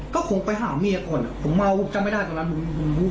ก็คงไปหาเมียก่อนอ่ะผมเมาจำไม่ได้ตอนนั้นผมพูดหรือผมจำไม่ได้